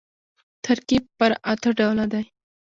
ترکیب پر اته ډوله دئ.